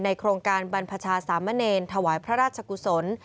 โครงการบรรพชาสามเณรถวายพระราชกุศล